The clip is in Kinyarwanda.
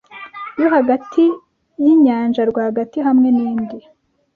yo hagati yinyanja rwagati hamwe nindi